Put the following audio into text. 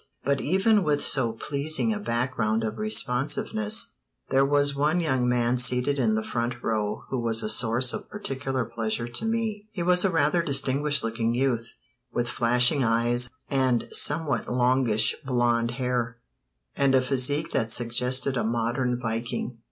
But even with so pleasing a background of responsiveness, there was one young man seated in the front row who was a source of particular pleasure to me. He was a rather distinguished looking youth, with flashing eyes, and somewhat longish blond hair, and a physique that suggested a modern Viking.